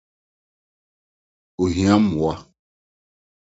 Ohia mmoa.